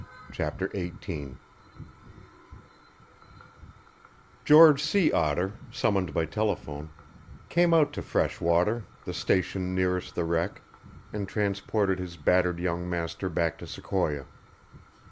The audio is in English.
CHAPTER XVIII George Sea Otter, summoned by telephone, came out to Freshwater, the station nearest the wreck, and transported his battered young master back to Sequoia.